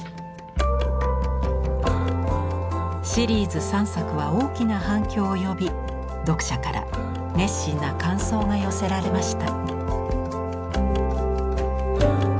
シリーズ３作は大きな反響を呼び読者から熱心な感想が寄せられました。